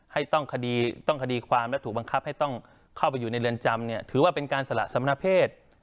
ให้ต้องคดีความและถูกบังคับให้ต้องเข้าไปอยู่ในเรือนจำเนี่ยถือว่าเป็นการสละสำนักเพศ